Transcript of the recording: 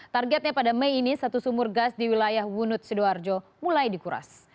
targetnya pada mei ini satu sumur gas di wilayah wunut sidoarjo mulai dikuras